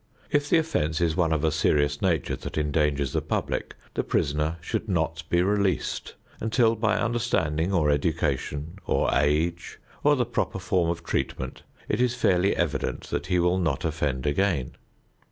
If the offense is one of a serious nature that endangers the public, the prisoner should not be released until by understanding or education, or age, or the proper form of treatment, it is fairly evident that he will not offend again.